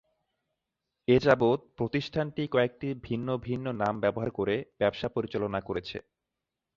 এযাবৎ প্রতিষ্ঠানটি কয়েকটি ভিন্ন ভিন্ন নাম ব্যবহার করে ব্যবসা পরিচালনা করেছে।